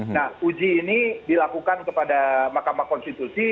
nah uji ini dilakukan kepada mahkamah konstitusi